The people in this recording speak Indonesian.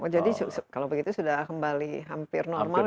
jadi kalau begitu sudah kembali hampir normal